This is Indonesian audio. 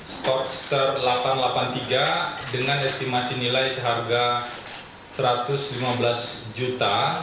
stokster delapan ratus delapan puluh tiga dengan estimasi nilai seharga satu ratus lima belas juta